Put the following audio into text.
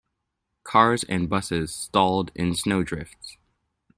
Cars and busses stalled in snow drifts.